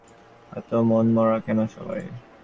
এত মনমরা কেন সবাই?